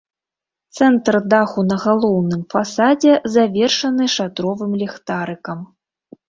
Цэнтр даху на галоўным фасадзе завершаны шатровым ліхтарыкам.